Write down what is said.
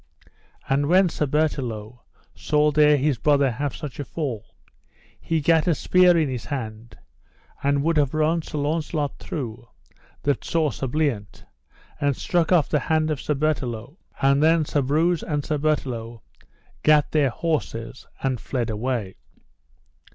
And when Sir Bertelot saw there his brother have such a fall, he gat a spear in his hand, and would have run Sir Launcelot through: that saw Sir Bliant, and struck off the hand of Sir Bertelot. And then Sir Breuse and Sir Bertelot gat their horses and fled away.